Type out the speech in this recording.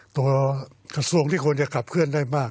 กระทรวงที่ควรจะขับเคลื่อนได้มาก